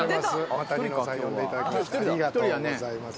また『ニノさん』呼んでいただきましてありがとうございます。